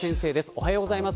おはようございます。